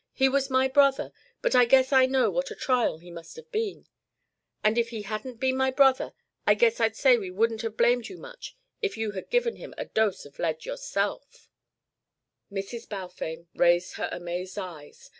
He was my brother, but I guess I know what a trial he must have been. And if he hadn't been my brother I guess I'd say we wouldn't have blamed you much if you had given him a dose of lead yourself " Mrs. Balfame raised her amazed eyes.